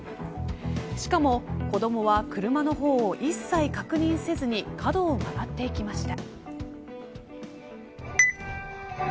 しかも子どもは車の方を一切確認せずに角を曲がっていきました。